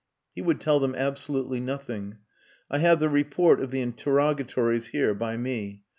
He would tell them absolutely nothing. I have the report of the interrogatories here, by me.